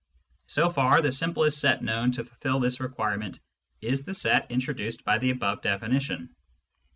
So far, the simplest set known to fulfil this requirement is the set introduced by the above definition.